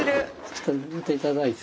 ちょっと見ていただいて。